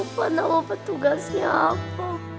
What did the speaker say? lupa nama petugasnya apa pak